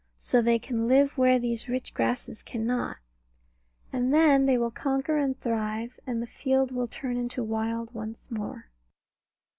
So they can live where these rich grasses cannot. And then they will conquer and thrive; and the Field will turn into Wild once more.